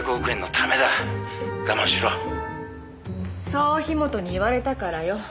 そう樋本に言われたからよ。